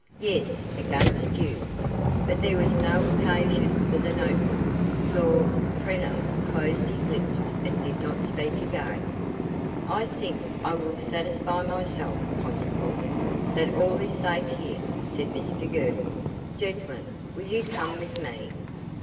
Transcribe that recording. "Yes, against you." But there was no occasion for the note book, for Preenham closed his lips and did not speak again. "I think I will satisfy myself, constable, that all is safe here," said Mr Girtle. "Gentlemen, will you come with me?"